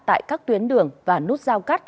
tại các tuyến đường và nút giao cắt